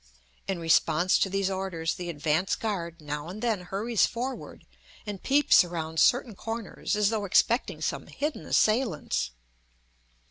In response to these orders the advance guard now and then hurries forward and peeps around certain corners, as though expecting some hidden assailants.